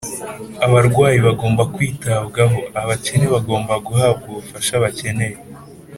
, abarwayi bagomba kwitabwaho, abakene bagomba guhabwa ubufasha bakeneye.